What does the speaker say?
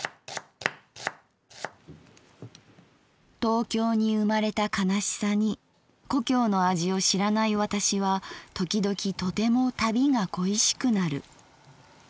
「東京に生まれた悲しさに故郷の味を知らない私はときどきとても旅が恋しくなる。